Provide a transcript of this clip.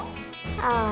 ああ。